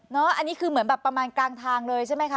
อันนี้คือเหมือนแบบประมาณกลางทางเลยใช่ไหมคะ